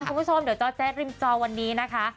คุณผู้ชมเดี๋ยวจอแจ๊ดริมจอวันนี้นะคะ